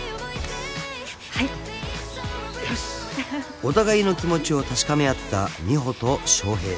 ［お互いの気持ちを確かめ合った美帆と翔平］